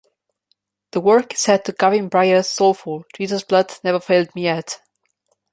The work is set to Gavin Bryars' soulful "Jesus' Blood Never Failed Me Yet".